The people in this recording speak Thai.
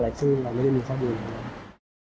อะไรซึ่งเราไม่ได้มีข้อมูลนะครับ